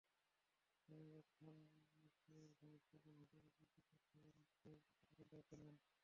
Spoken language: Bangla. জেনারেল থান সুয়ের ঘনিষ্ঠজন হিসেবে পরিচিত থেইন সেইন প্রেসিডেন্টের দায়িত্ব নেন।